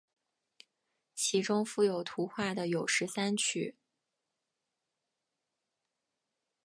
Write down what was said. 其中附有图画的有十三曲。